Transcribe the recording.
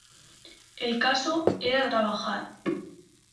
El caso era trabajar.